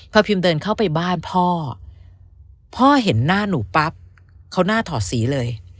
พอพิมเดินเข้าไปบ้านพ่อพ่อเห็นหน้าหนูปั๊บเขาหน้าถอดสีเลย